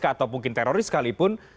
atau mungkin teroris sekalipun